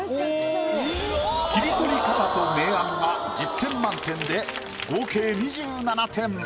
切り取り方と明暗が１０点満点で合計２７点。